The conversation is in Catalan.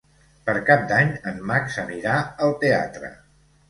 Per Cap d'Any en Max anirà al teatre.